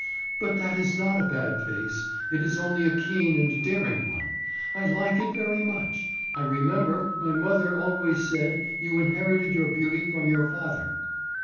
"But that is not a bad face; it is only a keen and daring one. I like it very much. I remember my mother has always said you inherited your beauty from your father."